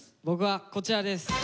僕はこちらです。